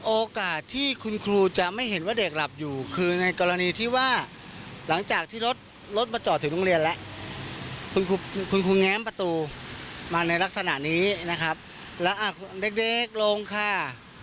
โอกาสที่คุณครูจะไม่เห็นว่าเด็กหลับอยู่คือในกรณีที่ว่าหลังจากที่รถรถมาจอดถึงโรงเรียนแล้วคุณครูแง้มประตูมาในลักษณะนี้นะครับแล้วเด็กลงค่ะ